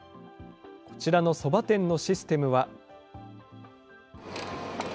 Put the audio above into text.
こちらのそば店のシステムは。